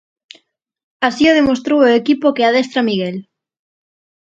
Así o demostrou o equipo que adestra Miguel.